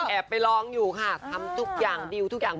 ไปลองอยู่ค่ะทำทุกอย่างดิวทุกอย่าง